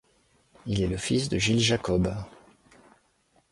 Il est le fils de Gilles Jacob.